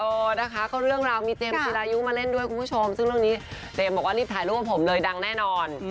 เออนะคะก็เรื่องราวมีเจมส์จีรายุมาเล่นด้วยคุณผู้ชมซึ่งเรื่องนี้เจมส์บอกว่ารีบถ่ายรูปกับผมเลยดังแน่นอน